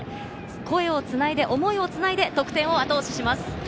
声をつないで、思いをつないで得点を後押しします。